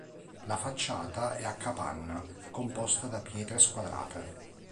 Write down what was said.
La facciata è a capanna composta da pietre squadrate.